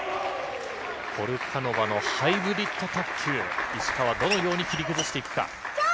ポルカノバのハイブリッド卓球、石川、どのように切り崩していくか。